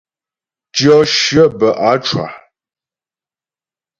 Tyɔ shyə bə á cwa.